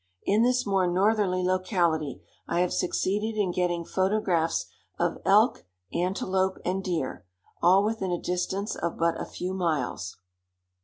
In this more northerly locality I have succeeded in getting photographs of elk, antelope, and deer, all within a distance of but a few miles.